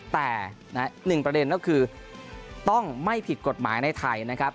แต่๑ประเด็นก็คือต้องไม่ผิดกฎหมายในไทยนะครับ